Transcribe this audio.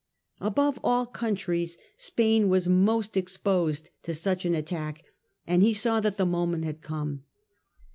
Above all countries Spain was most exposed to such an attack, and he saw that the moment had come.